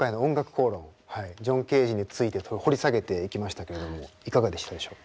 ジョン・ケージについて掘り下げていきましたけれどもいかがでしたでしょうか？